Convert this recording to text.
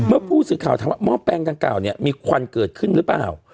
เมื่อผู้สื่อข่าวถามว่าหม้อแปลงดังกล่าวเนี่ยมีควันเกิดขึ้นหรือเปล่า